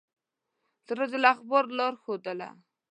سراج الاخبار لاره ښودله.